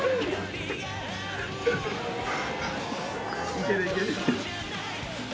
いけるいける。